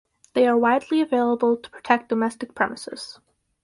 They are widely available to protect domestic premises.